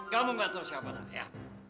kamu gak tahu siapa saya